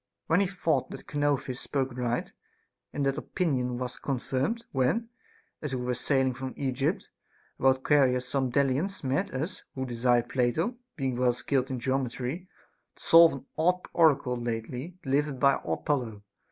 We then thought that Chonouphis spoke right ; and that opinion was confirmed when, as we were sailing from Egypt, about Caria some Delians met us, who desired Plato, being well skilled in geometry, to solve an odd oracle lately delivered by Apollo.